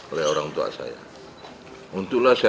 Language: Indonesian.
oleh orang tua saya